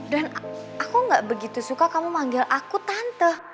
dan aku gak begitu suka kamu manggil aku tante